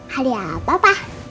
hadiah apa pak